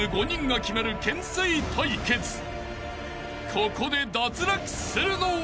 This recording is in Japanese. ［ここで脱落するのは？］